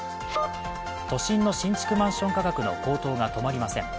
都心の新築マンション価格の高騰が止まりません。